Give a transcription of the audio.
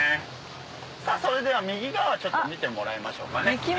それでは右側見てもらいましょうかね。